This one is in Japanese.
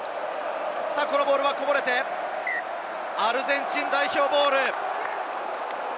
このボールはこぼれて、アルゼンチン代表ボール。